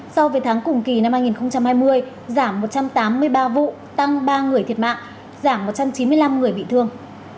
so với tháng cùng kỳ năm hai nghìn hai mươi giảm một trăm tám mươi ba vụ tăng ba người thiệt mạng giảm một trăm chín mươi năm người bị thương